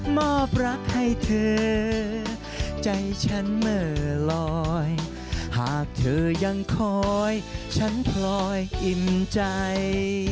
อบรักให้เธอใจฉันเมื่อลอยหากเธอยังคอยฉันคอยอิ่มใจ